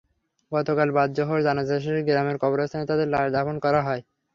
গতকাল বাদ জোহর জানাজা শেষে গ্রামের কবরস্থানে তাঁদের লাশ দাফন করা হয়।